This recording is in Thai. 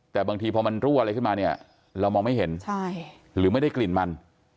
แต่บางทีพอมันรั่วอะไรขึ้นมาเนี่ยเรามองไม่เห็นหรือไม่ได้กลิ่นมัน